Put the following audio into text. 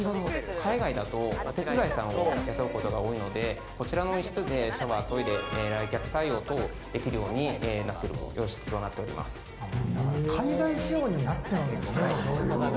海外だとお手伝いさんを雇うことが多いので、こちらの椅子でシャワー、トイレ、来客対応等できるようになってい海外仕様になってるんや。